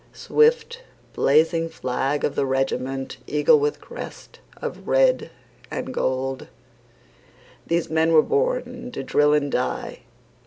Swift blazing flag of the regiment, Eagle with crest of red and gold, These men were born to drill and die.